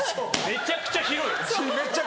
めちゃくちゃ広い。